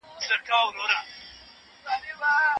هر بنسټ باید خپله وظیفه وپېژني.